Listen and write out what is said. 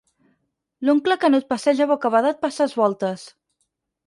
L'oncle Canut passeja bocabadat per ses Voltes.